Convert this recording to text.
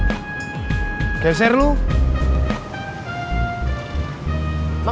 enggak wortnya sama aja lah pak